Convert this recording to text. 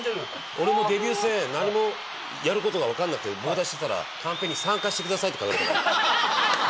俺もデビュー戦何もやることが分かんなくて棒立ちしてたらカンペに「参加してください」って書かれた。